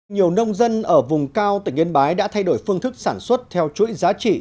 nhiều nông dân ở vùng cao tỉnh yên bái đã thay đổi phương thức sản xuất theo chuỗi giá trị